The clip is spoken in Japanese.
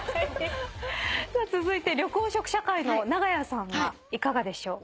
続いて緑黄色社会の長屋さんはいかがでしょう。